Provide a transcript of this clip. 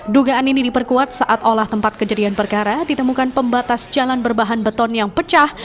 dugaan ini diperkuat saat olah tempat kejadian perkara ditemukan pembatas jalan berbahan beton yang pecah